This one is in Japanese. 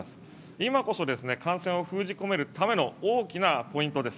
今こそ感染を封じ込めるための大きなポイントです。